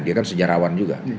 dia kan sejarawan juga